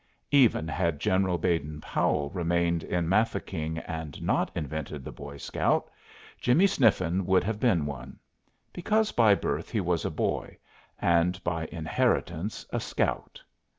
Even had General Baden Powell remained in Mafeking and not invented the boy scout, Jimmie Sniffen would have been one. Because by birth he was a boy, and by inheritance a scout.